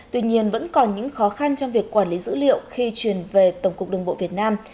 tuy nhiên vẫn còn những khó khăn trong việc quản lý dữ liệu khi truyền về tổng cục đường bộ việt nam